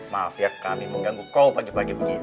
maaf ya kami mengganggu kau pagi pagi begini